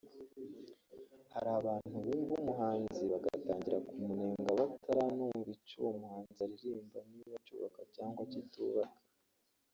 Hari abantu bumva umuhanzi bagatangira kumunenga bataranumva icyo uwo muhanzi aririmba niba cyubaka cyangwa kitubaka